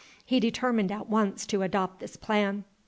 He determined at once to adopt this plan.